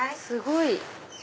すごい！